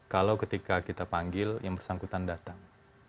kalau ketika kita panggil yang bersangkutan datang